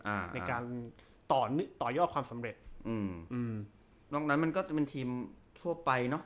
อ่าในการต่อต่อยอดความสำเร็จอืมอืมนอกนั้นมันก็จะเป็นทีมทั่วไปเนอะ